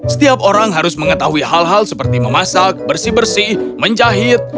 setiap orang harus mengetahui hal hal seperti memasak bersih bersih menjahit